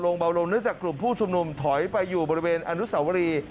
เบาลงเนื่องจากกลุ่มผู้ชุมนุมถอยไปอยู่บริเวณอนุสาวรี